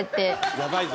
やばいぞ。